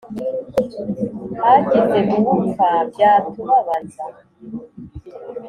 hagize upfa byatubabaza